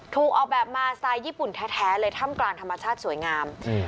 ถูกออกแบบมาสไตล์ญี่ปุ่นแท้เลยถ้ำกลางธรรมชาติสวยงาม